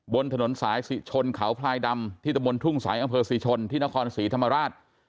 บนถนนสายชนเขาพลายดำที่ตะบนทุ่งสายอำเภอศรีชนที่นครศรีธรรมราช